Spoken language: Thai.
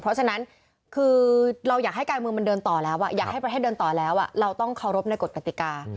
เราอยากให้กรามือมันเดินต่อแล้วอยากให้ประเทศเดินต่อแล้วเราต้องเคารพในกฎกฎิกา